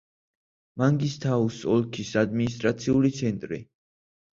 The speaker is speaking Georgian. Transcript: მანგისთაუს ოლქის ადმინისტრაციული ცენტრი.